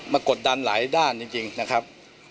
กดดันหลายด้านจริงนะครับ